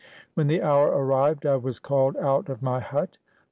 When the hour arrived I was called out of my hut.